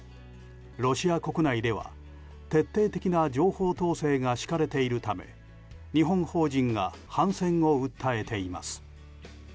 ロシア国内では徹底的な情報統制が敷かれているため日本法人が反戦を訴えています。